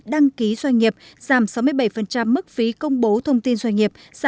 đăng ký doanh nghiệp giảm sáu mươi bảy mức phí công bố thông tin doanh nghiệp